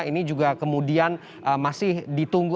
ini juga kemudian masih ditunggu